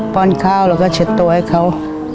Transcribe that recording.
้อนข้าวแล้วก็เช็ดตัวให้เขา